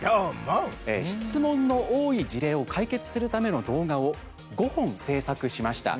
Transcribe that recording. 質問の多い事例を解決するための動画を５本制作しました。